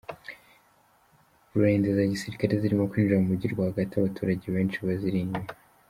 Burende za gisirikare zirimo kwinjira mu mujyi rwa gati abaturage benshi baziri inyuma